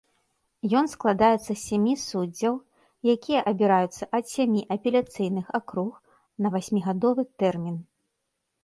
Ён складаецца з сямі суддзяў, якія абіраюцца ад сямі апеляцыйных акруг на васьмігадовы тэрмін.